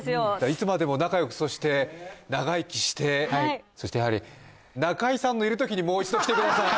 いつまでも仲よくそして長生きしてはいそしてやはり中居さんのいる時にもう一度来てください